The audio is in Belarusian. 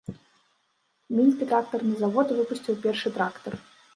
Мінскі трактарны завод выпусціў першы трактар.